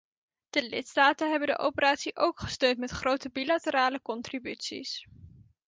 De lidstaten hebben de operatie ook gesteund met grote bilaterale contributies.